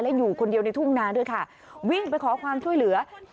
และอยู่คนเดียวในทุ่งนาด้วยค่ะวิ่งไปขอความช่วยเหลือ